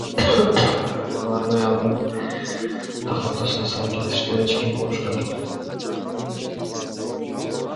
Алар аны айылдын так ортосунда сабап жатышты, эч ким болушкан жок.